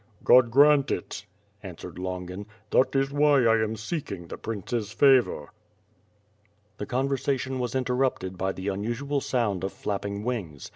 "God grant it!" answered Longin. "That is why I am seek ing the Prince's favor." The conversation was interrupted by the unusual sound of flapping wings.